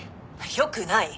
よくない！